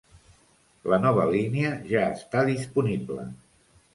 La nova línia ja està disponible.